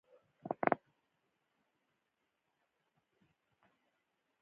تواب پر تورو تیږو پروت و.